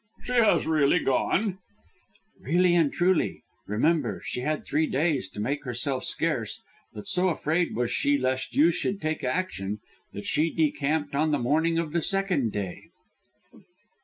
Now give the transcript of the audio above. "She has really gone?" "Really and truly. Remember, she had three days to make herself scarce, but so afraid was she lest you should take action that she decamped on the morning of the second day."